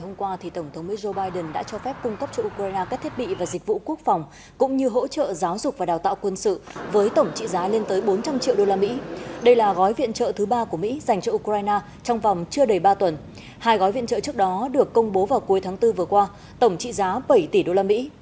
hôm qua tổng thống mỹ joe biden đã cho phép cung cấp cho ukraine các thiết bị và dịch vụ quốc phòng cũng như hỗ trợ giáo dục và đào tạo quân sự với tổng trị giá lên tới bốn trăm linh triệu đô la mỹ đây là gói viện trợ thứ ba của mỹ dành cho ukraine trong vòng chưa đầy ba tuần hai gói viện trợ trước đó được công bố vào cuối tháng bốn vừa qua tổng trị giá bảy tỷ đô la mỹ